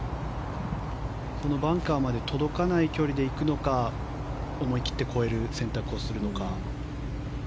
そのバンカーまで届かない距離で行くのか思い切って越える選択をするのか。